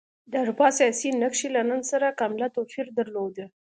د اروپا سیاسي نقشې له نن سره کاملا توپیر درلود.